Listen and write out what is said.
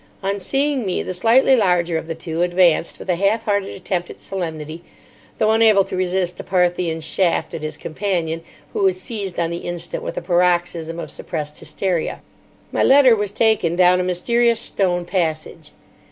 On seeing me the slightly larger of the two advanced with a half hearted attempt at solemnity, though unable to resist a Parthian shaft at his companion, who was seized on the instant with a paroxysm of suppressed hysteria. My letter was taken down a mysterious stone passage.